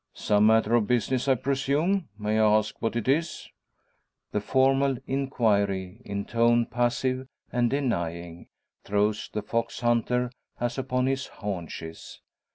"Some matter of business, I presume. May I ask what it is?" The formal inquiry, in tone passive and denying, throws the fox hunter as upon his haunches.